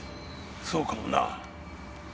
そうかもな。